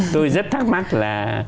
tôi rất thắc mắc là